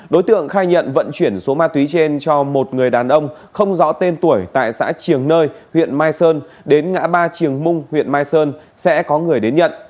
đối tượng khai nhận vận chuyển số ma túy trên cho một người đàn ông không rõ tên tuổi tại xã triềng nơi huyện mai sơn đến ngã ba triều mung huyện mai sơn sẽ có người đến nhận